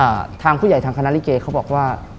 ทางผู้ใหญ่ทางคณะลิเกเขาบอกว่า